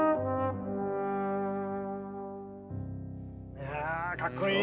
いやあかっこいい。